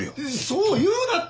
そう言うなって。